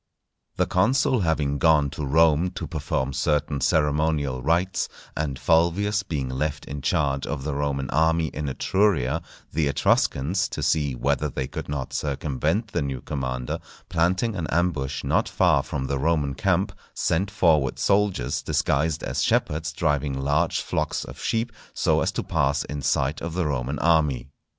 _ The consul having gone to Rome to perform certain ceremonial rites, and Fulvius being left in charge of the Roman army in Etruria, the Etruscans, to see whether they could not circumvent the new commander, planting an ambush not far from the Roman camp, sent forward soldiers disguised as shepherds driving large flocks of sheep so as to pass in sight of the Roman army.